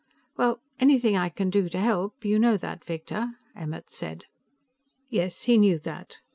"Well, anything I can do to help; you know that, Victor," Emmert said. Yes, he knew that.